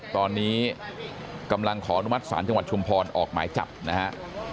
ตอนนี้กำลังขออนุมัติศาลจังหวัดชุมพรออกหมายจับนะฮะ